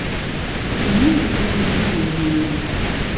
Omuddo gumeze mu nnimiro.